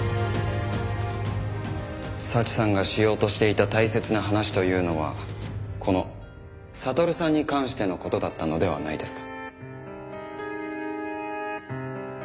早智さんがしようとしていた大切な話というのはこの悟さんに関しての事だったのではないですか？